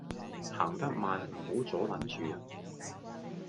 行得慢唔好阻撚住人